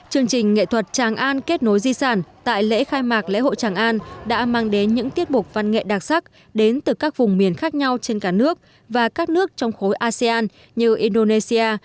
chương trình nghệ thuật tràng an kết nối di sản tại lễ khai mạc lễ hội tràng an đã mang đến những tiết mục văn nghệ đặc sắc đến từ các vùng miền khác nhau trên cả nước và các nước trong khối asean như indonesia